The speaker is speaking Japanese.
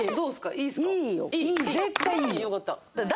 いいですか？